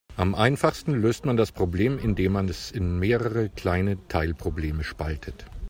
Am einfachsten löst man das Problem, indem man es in mehrere kleine Teilprobleme spaltet.